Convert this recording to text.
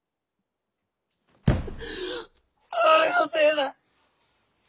俺のせいだ！